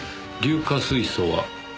硫化水素は。